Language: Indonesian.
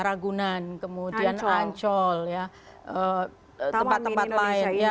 ragunan kemudian ancol tempat tempat lain